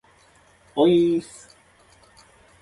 おいーっす